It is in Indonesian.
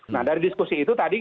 nah dari diskusi itu tadi